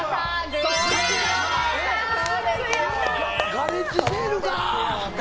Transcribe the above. ガレッジセールか。